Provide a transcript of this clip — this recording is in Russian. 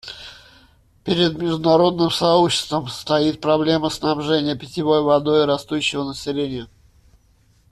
Перед международным сообществом стоит проблема снабжения питьевой водой растущего населения.